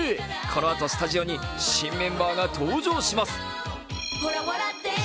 このあとスタジオに新メンバーが登場します。